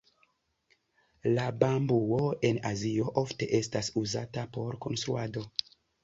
La bambuo en Azio ofte estas uzata por konstruado.